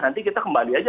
nanti kita kembali saja